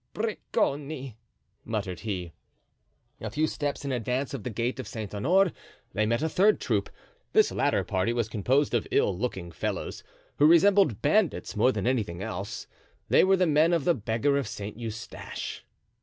"Bricconi!" muttered he. A few steps in advance of the gate of Saint Honore they met a third troop; this latter party was composed of ill looking fellows, who resembled bandits more than anything else; they were the men of the beggar of Saint Eustache.